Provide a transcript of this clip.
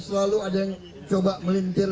selalu ada yang coba melintir